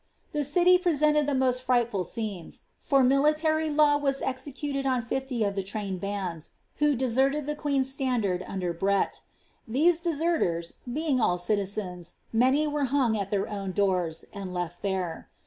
The city presented the roost frightful scenes, for military law was executed on fliiy of the train bands, who deserted the queen's standard under Brett. Thene deserters being all citizens, many were hung at their own doors, and lef^ there.